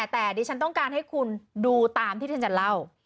แต่ดิฉันต้องการให้คุณดูตามที่ฉันจะเล่า